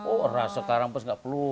oh raso karampus nggak perlu